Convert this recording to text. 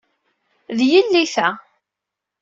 D yelli, ta.